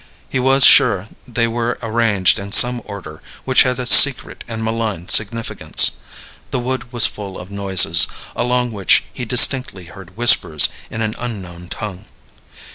He was sure they were arranged in some order which had a secret and malign significance. The wood was full of noises, among which he distinctly heard whispers in an unknown tongue.